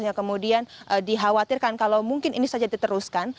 yang kemudian dikhawatirkan kalau mungkin ini saja diteruskan